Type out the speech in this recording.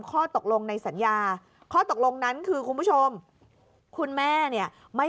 ข้อตกลงในสัญญาข้อตกลงนั้นคือคุณผู้ชมคุณแม่เนี่ยไม่